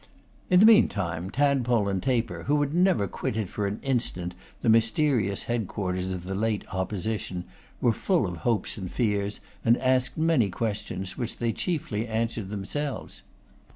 In the meantime Tadpole and Taper, who had never quitted for an instant the mysterious head quarters of the late Opposition, were full of hopes and fears, and asked many questions, which they chiefly answered themselves.